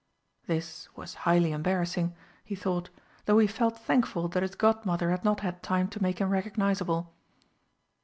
This was highly embarrassing, he thought, though he felt thankful that his Godmother had not had time to make him recognisable.